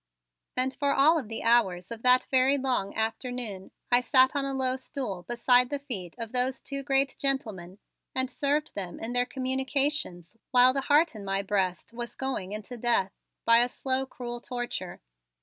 And for all of the hours of that very long afternoon I sat on a low stool beside the feet of those two great gentlemen and served them in their communications while the heart in my breast was going into death by a slow, cruel torture.